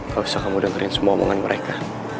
gak usah kamu dengerin semua omongan mereka